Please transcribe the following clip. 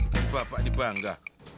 tapi bapak dibangga